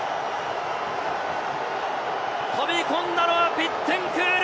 飛び込んだのはビッテンクール！